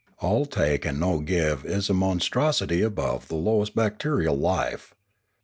All take and no give is a monstrosity above the lowest bacterial life.